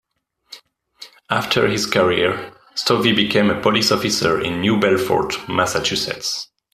After his career, Stovey became a police officer in New Bedford, Massachusetts.